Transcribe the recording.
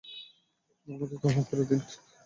আমাকে ক্ষমা করে দিন।